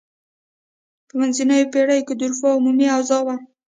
په منځنیو پیړیو کې د اروپا عمومي اوضاع وه.